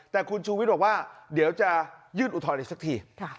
แต่คุณชูวิทย์บอกว่าเดี๋ยวจะยื่นอุทธรณ์อีกสักที